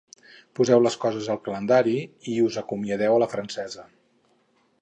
Poseu les coses al calendari i us acomiadeu a la francesa.